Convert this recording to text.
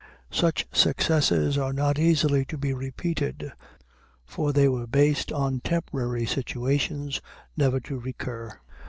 Such successes are not easily to be repeated, for they were based on temporary situations never to recur.